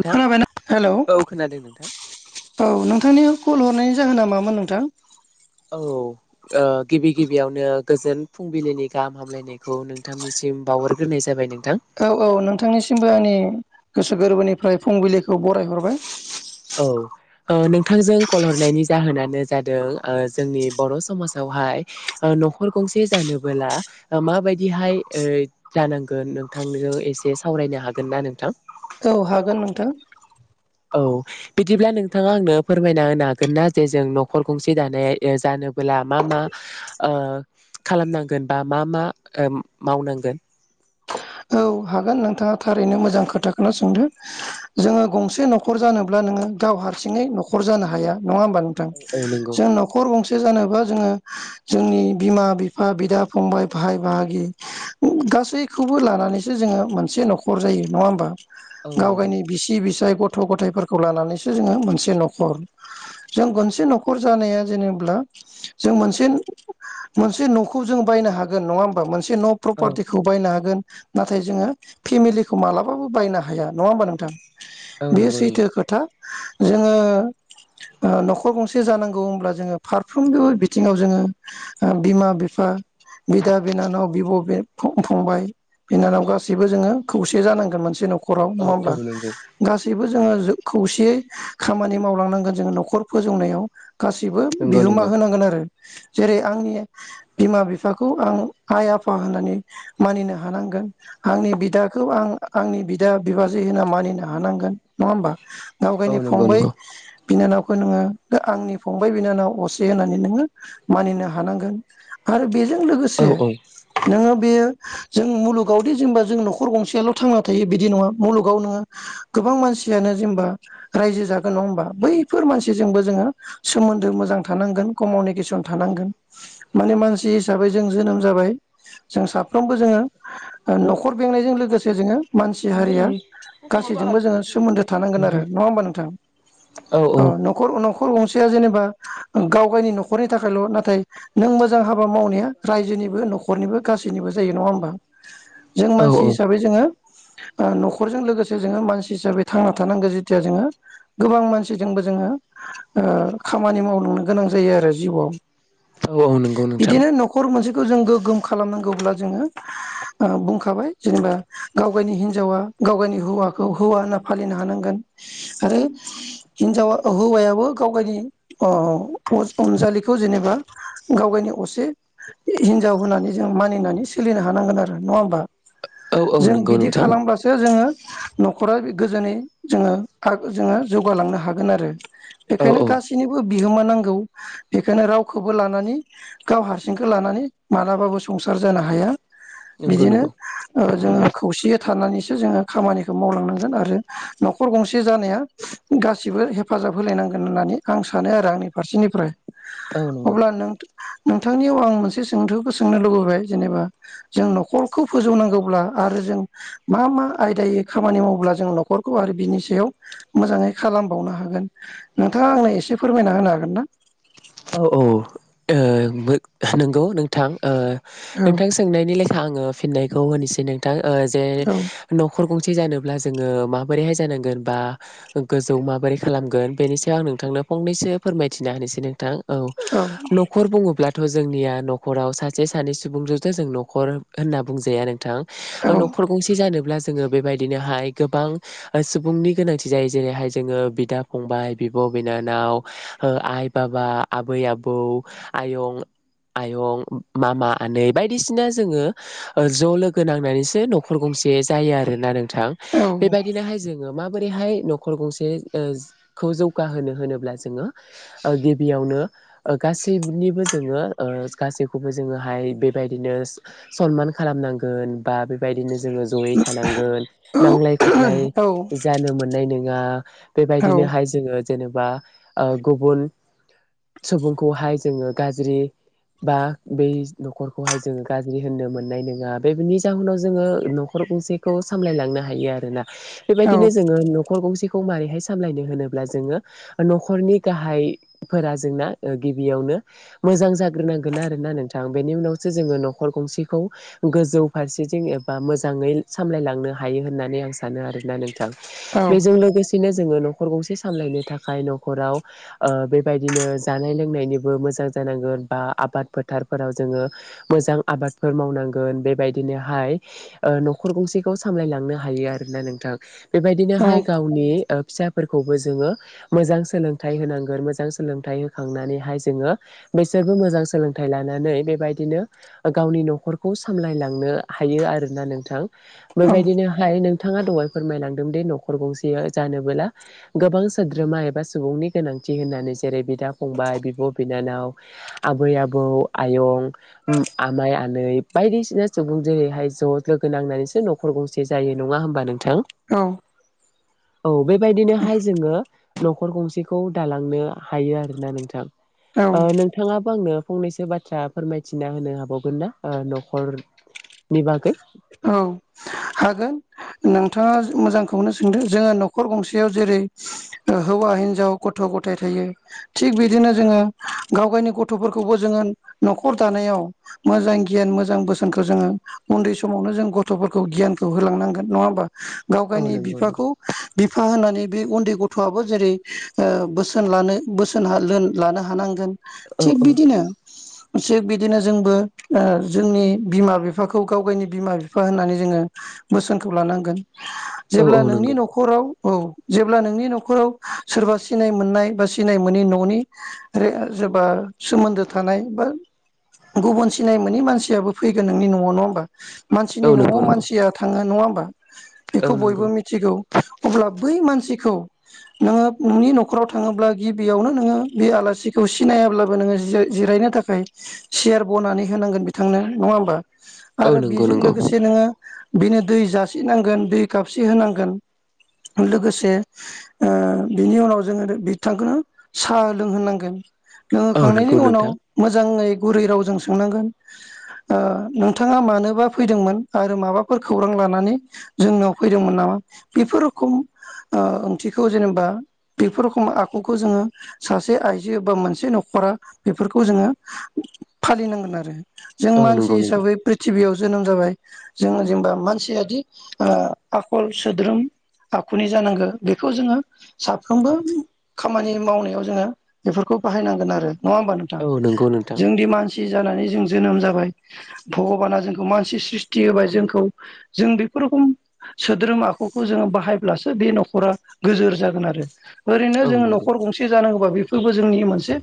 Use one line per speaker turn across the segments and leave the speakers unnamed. नोंथां
खोनाबायना हेल' औ
खोनादों नोंथां
नोंथांनियाव कल हरनायनि जाहोना मामोन नोंथां?
औ औ गिबि गिबियावनो गोजोन फुंबिलिनि गाहाम हामलायनायखौ नोंथांनिसिम सिम बाउहग्राय जाबाय नों
औ औ नोंथांनिसिमबो आंनि गोसो गोरबोनिफ्राय फुंबिलिखौ बरायहरबाय ।
औ औ नोंथांजों कल हरनायनि जाहोनानो जादों जोंनि बर' समाजाव हाय न'खर गंसे जानोबोला माबायदिहाय जांनांगोन नोंथांजों एसे सावरायनो हागोन ना नोंथां?
औ हागोन नोंथां।
औ बिदिब्ला नोंथाङा आंनो फोरमायना होनो हागोन ना जे जों न'खर गंसे दानाय जानोबोला मा मा खालामनांगोन बा मा मा मावनांगोन? [inaudible]
औ हागोन नोंथाङा थारैनो मोजां खोथाखौनो सोंदो जोङो गंसे न'खर जानोब्ला नोङो गाव हारसिङै न'खर जानो हाया नङा होमबा नोंथां
औ औ नंगौ
जों न'खर गंसे जानोबा जोङो जोंनि बिमा बिफा बिदा फंबाय भाय बाहागि गासैखौबो लानानै सो जोङो मोनसे न'खर जायो नङा होमबा
औ
गाव
नंगौ
गावनि बिसि बिसाय गथ' गथ' गथाइफोरखौ लानानैसो जोङो मोनसे न'खर जों मोनसे न'खर जानाया जेनेब्ला जों मोनसे मोनसे न'खौ जों बायनो हागोन नङा होमबा मोनसे जेन'
औ
प्रपार्टिखौ बायनो हागोन नाथाय जोङो फेमिलिखौ मालाबाबो बायनो हाया नङा होमबा नोंथां
औ
बे
नंगौ नंगौ
सैथो खोथा जोङो न'खर गंसे जानांगौ होमब्ला जोङो फारफ्रोमबो बिथिङाव जोङो बिमा बिफा बिदा बिनानाव बिब' बे फंबाय बिनानाव गासैबो जोङो खौसे जानांगोन मोनसे न'खराव
औ
नङा
औ
होमब्ला
नंगौ
गासैब -बो जोङो खौसेयै खामानि मावलांनांगोन जोङो न'खर फोजौनायाव गासैबो
नंगौ
बिहोमा
नंगौ
होनांगोन आरो जेरै आंनि बिमा बिफाखौ आं आइ आफा होननानै मानिनो हानांगोन आंनि बिदाखौ आं आंनि बिदा बिबाजै होनना मानिनो हानांगोन नङा होमबा
औ
गावगायनि
नंगौ
फंबाय
नंगौ
बिनानावखौ नोङो आंनि फंबाय बिनानाव असे होननानै नोङो मानिनो हानांगोन आरो बे
औ औ
नोङो बेयो जों मुलुगावदि जेनेबा जों न'खर गंसेयाल' थांना थायो बिदि नङा मुलुगाव नोङो गोबां मानसियानो जेनेबा रायजो जागोन नङा होमबा बैफोर मानसिजोंबो जोङो सोमोनदो मोजां थानांगोन कमुनिकेसन थानांगोन माने मानसि हिसाबै जों जोनोम जाबाय जों साफ्रोमबो जोङो न'खर बेंनायजों लोगोसे जोङो मानसि हारिया गासैजोंबो जोङो सोमोन्दो थानांगोन आरो नङा होमबा नोंथां औ न'खर न'खर गंसे जेनेबा गाव गावनि न'खरनि थाखायल' नाथाय नों मोजां हाबा मावनाया रायजोनिबो न -खरनिबो गासैनिबो जायो नङा होमबा जों
औ
मानसि हिसाबै जोङो ओ न'खरजों लोगोसे जोङो मानसि हिसाबै थांना थानांगौ जेथिया जोङो गोबां मानसिजोंबो जोङो ओ खामानि मावलांनो गोनां जायो आरो जिउआव
औ औ नंगौ नोंथां
-खौ जों गोगोम खालामनांगौब्ला जोङो
[unintelligible]
ओ बुंखाबाय जेनेबा गाव गावनि हिनजावा गाव गावनि हौवाखौ हौवा होनना फालिनो हानांगोन आरो हिनजावा हौवायाबो गाव गावनि अ अनजालिखौ जेनेबा गाव गाव -नि असे हिनजाव होननानै जों मानिनानै सोलिनो हानांगोन आरो नङा होमबा
औ औ
जों
नंगौ
बिदि
नोंथां
खालामब्लासो न'खरा गोजोनै जोङो जोङो जौगालांनो हागोन आरो
औ
बेखायनो
औ
गासैनिबो बिहोमा नांगौ बेखायनो रावखौबो लानानै गाव हारसिंखौ लानानै मालाबाबो संसार जानो हाया
नंगौ
बिदिनो
नंगौ
ओ जोङो खौसे थानानैसो जोङो खामानिखौ मावलांनांगोन आरो न'खर गंसे जानाया गासिबो हेफा -जाब होलायनांगोन होननानै आं सानो आरो आंनि फारसेनिफ्राय
औ नंगौ
अब्ला नोंथा नोंथांनियाव आं मोनसे सोंथौखौ सोंनो लुबैबाय जेनेबा जों न'खरखौ फोजौनांगौब्ला आरो जों मा मा आयदायै खामानि मावोब्ला जों नख -रखौ आरो बिनि सायाव मोजाङै खालामबावनो हागोन नोंथाङा आंनो एसे फोरमायना होनो हागोन ना
औ औ ओ दो नंगौ नोंथां ओ
औ
नोंथां सोंनायनि लेख -खायै आङो फिननायखौ होनोसै नोंथां जे
औ
न'खर गं -से जानोब्ला जोङो माबोरैहाय जानांगोन बा गोजौ माबोरै खालामगोन बेनि सायाव आं नोंथांनाव फंनैसो फोरथिना होनोसै नोंथां औ न'खर बुङोब्ला थ' जोंनिया न'खराव सासे सानै सुबुंजोंथ' जों न'खर होनना बुंजाया नोंथां न'खर गंसे जानोब ब्ला जोङो बेबायदिनोहाय गोबां सुबुंनि गोनांथि जायो जेरैहाय जोङो बिदा फंबाय बि -ब' बिनानाव आइ बाबा आबै आबौ आयं आयं मामा आनै बायदिसिना जोङो ज' लोगो नांनानैसो न'खर गंसे। से जायोआरोना नोंथां
औ
बेबायदिनोहाय जोङो। माबोरैहाय न'खर गंसेखौ जौगाहोनो होनोब्ला जोङो गिबियावनो। गासैनिबो जोङो गासैखौबो जोङोहाय बेबायदिनो सनमान। खालामनांगोन बा बेबायदिनो। जोङो ज'यै थानांगोन नांलाय खमलाय
औ औ
जानो मोननाय नङा
औ
बेबायदिनो। बेहाय जोङो जेनेबा गुबुन। सुबुंखौहाय जोङो गाज्रि। बा बै न'खरखौहाय जोङो गाज्रि होननो मोननाय नङा बेनि जाहोनाव जोङो न'खर। गंसेखौ सामलायलांनो हायो आरोना
औ
बेबायदिनो जोङो नखर गंसे खौ। खौ मारैहाय सामलायनो होनोब्ला जोङो न'खरनि गाहायफोरा। जोंना गिबियावनो मोजां जाग्रोनांगोन आरोना नोंथां बेनि उनावसो जोङो न'खर गंसेखौ। गोजौ फारसेथिं एबा मोजाङै सामलायलांनो हायो होननानै आं सानो आरोना नोंथां। बेजों लोगोसेनो जोङो न'खर गंसे सामलायनो थाखाय न'खराव ओ बेबायदि। बिदिनो जानाय लोंनायनिबो मोजां जानांगोन बा आबाद फोथारफोराव जोङो मोजां आबाद। फोर मावनांगोन बेबायदिनोहाय ओ न'खर गंसेखौ सामलायलांनो हायो आरोना नोंथां। बेबायदिनोहाय गावनि फिसाफोरखौबो जोङो मोजां सोलोंथाइ होनांगोन मोजां। सोलोंथाय होखांनानैहाय जोङो बेसोरबो मोजां सोलोंथाइ लानानै बेबायदिनो गावनि। नखरखौ सामलायनो हायो आरोना नोंथां
औ
बेबायदिनोहाय। बिथाङा दहाय फोरमायलांदों दि न'खर गंसे जानबोला गोबां सोद्रोमा एबा सुबुंनि गोनांथि। दिहोननानै। जेरै बिदा फंबाय बिब' बिनानाव आबै आबौ आयं आमाइ आ। नै बायदिसिना सुबुं जेरैहाय ज' लोगो नांनानैसो न'खर गंसे जायो नङा होमबा नोंथां।
औ।
औ बेबायदिनोहाय जोङो न'खर गंसेखौ दालांनो। हायो आरोना नोंथां
औ
ओ नोंथाङाबो आंनो। फंनैसो बाथ्रा फोरमायथिना होनो हाबावगोन ना न'खरनि बागै।
औ हागोन। नोंथाङा मोजांखौनो सोंदों जोङो न'खर गंसेयाव जेरै। हौवा हिनजाव गथ' गथाय थायो थिग बिदिनो जोङो गाव गावनि गथ'फोरखौबो जोङो। न'खर दानायाव मोजां गियान मोजां बोसोनखौ जोङो उन्दै सम। समावनो जों गथ'फोरखौ गियानखौ होलांनांगोन नङा होमबा गाव
औ
गावनि
नंगौ नंगौ
बिफाखौ बिफा होनानै। बे उन्दै गथ'आबो जेरै ओ बोसोन लानो बोसोन लानो हानांगोन।
औ
थिग
औ
बिदिनो। थिग बिदिनो जोंबो ओ जोंनि बिमा बिफाखौ गाव गायनि। बिमा बिफा होननानै जोङो बोसोनखौ लानांगोन
औ
जेब्ला
औ
नोंनि
नंगौ
न'खराव। औ जेब्ला नोंनि न'खराव सोरबा सिनाय मोननाय बा। सिनाय मोनि न'नि जेबा सोमोन्दो थानाय बा। गुबुन सिनाय मोनै मानसियाबो फैगोन नोंनि न'आव नङा होमबा।
औ
मानसिनि न'आव
नंगौ नंगौ
मानसिया थाङो नङा।
औ
बेखौ
नंगौ
बयबो मिथिगौ अब्ला बै मानसि। खौ नोङो नोंनि न'खराव थाङोब्ला गिबियावनो नोङो बे आलासिखौ सिनायाब्लाबो नोङो। जिरायनो थाखाय सियार बनानै होनांगोन बिथांनो नङा होमबा।
औ
आरो
नंगौ
बेजों
नंगौ
लोगोसे नोङो बिनो दै जासिनांगोन दै खाबसे होनांगोन। लोगोसे ओ बिनि उनाव जोङो बिथांखौनो साहा लोंहोनांगोन।
औ
लोंहोखांनायनि
नंगौ
उनाव
नोंथां
मोजाङै गुरै रावजों सोंनांगोन ओ नों। थाङा मानोबा फैदोंमोन आरो माबाफोर खौरां लानानै जोंनाव फैदोंमोन नामा बेफोर। खम ओ ओंथिखौ जेनेबा। बेफोर रख आखुखौ जोङो सासे आइजो बा मोनसे न'खरा बेफोरखौ जोङो। फालिनांगोन आरो। जों
औ
मानसि
नंगौ नंगौ
हिसाबै गिबियाव जोनोम जाबाय। जोङो जेनेबा मानसियादि आखल सोद्रोम आखुनि जानांगो बेखौ जोङो साफ्रोमबो खामानि मावनायाव जोङो बेफोरखौ बाहखयनांगोन आरो नङा हबा नोंथां।
औ नंगौ नोंथां
जोंदि मानसि जानानै जों जोनोम जाबाय भगबाना जोंखौ मानसि स्रिस्थि होबाय जोंखौ जों बेफोर रोखम सोद्रोम आखुखौ जोङो बाहायब्लासो बे नख'रा गोजोर जागोन आरो। ओरैनो
औ
जोङो
नंगौ
नख'र गंसे जानांगौबा बेफोरबो जोंनि मोनसे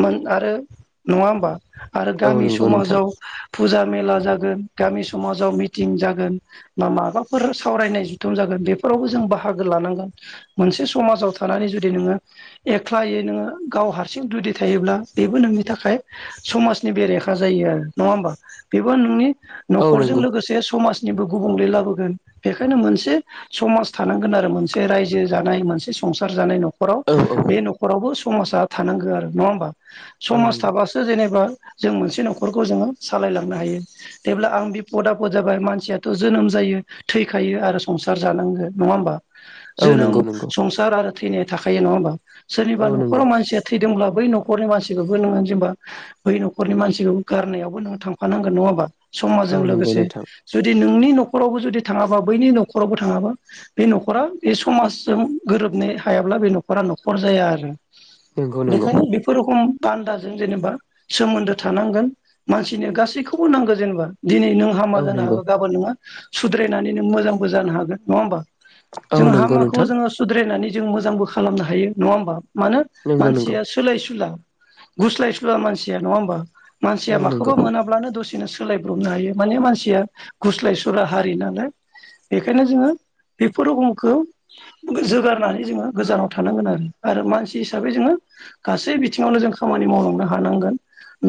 मोन आरो नङा होमबा। आरो
औ
गामि
नंगौ नोंथां
समाजाव फुजा मेला जागोन गामि समाजाव मिटिं जागोन बा माबाफोर सावरायनाय जुथुम जागोन बेफोरावबो जों बाहागो लानांगोन। मोनसे समाजाव थानानै जुदि नोङो एख्लायै नोङो गाव हारसिं जुदि थायोब्ला बेबो नोंनि थाखाय समाजनि बेरेखा जायो आरो नङा होमबा। बेबो नोंनि
औ
नख'रजों
नंगौ
लोगोसे समाज निबो गुबुंले लाबोगोन। बेखायनो मोनसे समाज थानांगोन आरो मोनसे रायजो जानाय मोनसे संसार जानायनाव। नख'राव
औ
बे नख'रावबो समाजा थानांगो आरो नङा होमबा।
औ
समाज
नंगौ
थाबासो जेनेबा जों मोनसे नख'रखौ जोङो सालायलांनो हायो। जेब्ला आं बे पदा फद जाबाय मानसियाथ' जोनोम जायो थैखायो आरो सं सार जानांगोन नङा होमबा।
औ
जोनोम
नंगौ नंगौ
संसार आरो थैनाया थाखायो नङा होमबा। सोरनिबा
औ नंगौ
नख'राव मानसिया थैदोंब्ला बै न'खरनि मानसिखौबो नोङो जेनेबा बै न'खरनि मानसिखौबो गारनायावबो नोङो थांफानांगोन नङा होमबा।
औ
समाजजों
नंगौ
लोगोसे
नोंथां
जुदि नोंनि नख'रावबो जुदि थाङाबा बैनि नख'रावबो थाङाबा बे नख'रा बे समाजजों गोरोब नो हायाब्ला बे नख'रा नख'र जाया आरो।
नंगौ नंगौ
बेखायनो बेफोर रोखम बान्दाजों जेनेबा सोमोन्दो थानांगोन। मानसि बिदिनो गासैखौबो नांगौ जेनेबा। दिनै नों हामा
औ
जानो
नंगौ
हागौ गाबोन नोङा सुद्रायनानै नों मोजांबो जानो हागोन नङा होमबा।
औ
जों
नंगौ
हामाखौ
नोंथां
जोङो सुद्रायनानै जों मोजांबो खालामनो हायो नङा होमबा। मानो
नंगौ नंगौ
मानसिया सोलायसुला गुस्लायसुला मानसिया नङा होमबा। मानसिया
औ नंगौ
माखौबा मोनाब्लानो दसे नो सोलायब्रबनो हायो। माने मानसिया गुस्लाय सुला हारि नालाय। बेखायनो जोङो बेफोर रोखमखौ जोगारनानै जोङो गोजानाव थानांगोन आरो। आरो मानसि हिसाबै जोङो गासै बिथिङावनो जों खामानि मावलांनो हानांगोन।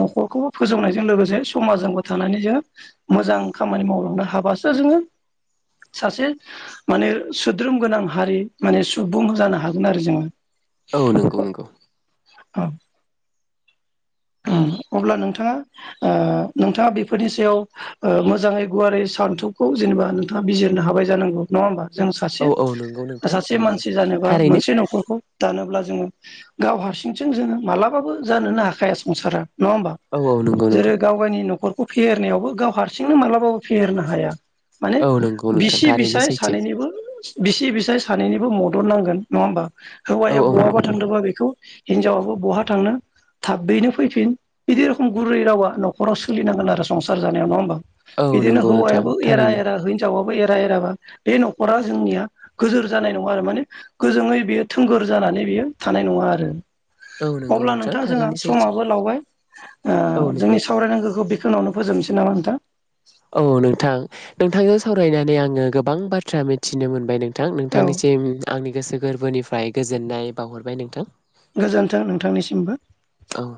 नख'रखौबो फोजौनाय जों लोगोसे समाजजोंबो थानानै जोङो मोजां खामानि मावलांनो हाबासो जोङो सासे माने सोद्रोम गोनां हारि माने सुबुं जानो हागोन आरो जोङो।
औ नंगौ नंगौ
औ। उम अब्ला नोंथाङा ओ नोंथाङा बेफोरनि सायाव ओ मोजाङै गुवारै सान्थौखौ जेनेबा नोंथाङा बिजिरनो हाबाय जानांगौ नङा होमबा। जों
औ
सासे
औ नंगौ नोंथां ओ
सासे मानसि जानोबा
थारैनो
मोनसे न'खरखौ दानोब्ला जोङो गाव हारसिंथिं जोङो मालाबाबो जानोनो हाखाया संसारा। नङा होमबा।
औ औ नंगौ नंगौ
जेरै गाव गावनि नख'र खौ फेहेरनायावबो गाव हारसिंनो मालाबाबो फेहेरनो हाया। माने
औ नंगौ नोंथां
बिसि
थारैनो
बिसाय
सैथो
सानैनिबो बिसि बिसाय सानैनिबो मद द नांगोन नङा होमबा।
औ
हौवाया
औ
बहाबा
नंगौ नंगौ
थांदोंबा बेखौ हिनजावाबो बहा थांनो थाबैनो फैफिन बिदि रखम गुरै रावा नखराव सोलिनांगोन आरो संसार जानायाव नङा होमबा।
औ
बिदिनो
नंगौ नोंथां
हौवायाबो एरा
थारैनो
एरा हिनजावा बो एरा एराबा बे नख'रा जोंनिया गोजोर जानाय नङा आरो माने गोैजोङै बेयो थोंगोर जा नानै बेयो थानाय नङा आरो।
औ नंगौ
अब्ला
नोंथां
नोंथाङा जोंहा
थारैनो
समा
सैथो
लावबाय। ओ
औ नंगौ
जोंनि
नंगौ
सावरायनांगौखौ बेखोनोआवनो फोजोबनोसै नामा नोंथां
औ नोंथां नोंथांजों सावरायनानै आङो गोबां बाथ्रा मिथिनो मोनबाय नों थां।
औ
नोंथांनिसिम आंनि गोसो गोर्बोनिफ्राय गोजोननाय बावहरबाय नोंथां।
गोजोन्थों नोंथांनिसिमबो।
औ